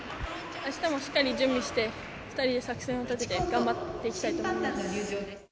明日もしっかり準備して、２人で作戦を立てて頑張っていきたいと思います。